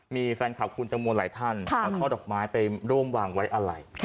มีแฟนคลับคุณตังโมหลายท่านเอาท่อดอกไม้ไปร่วมวางไว้อะไร